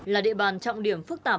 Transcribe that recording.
là địa bàn trọng điểm phức tạp